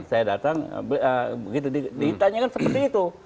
saya datang begitu ditanyakan seperti itu